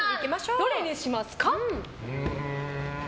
どれにしますか？